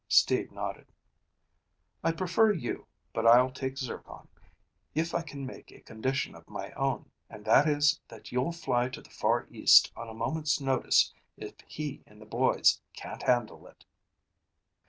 Steve nodded. "I'd prefer you, but I'll take Zircon, if I can make a condition of my own, and that is that you'll fly to the Far East on a moment's notice if he and the boys can't handle it."